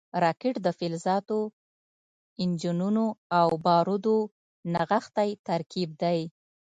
راکټ د فلزاتو، انجنونو او بارودو نغښتی ترکیب دی